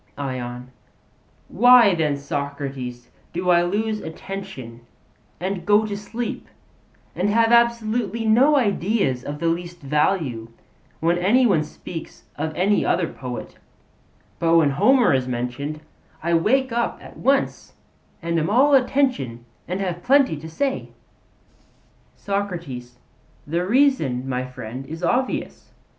ION: Why then, Socrates, do I lose attention and go to sleep and have absolutely no ideas of the least value, when any one speaks of any other poet; but when Homer is mentioned, I wake up at once and am all attention and have plenty to say? SOCRATES: The reason, my friend, is obvious.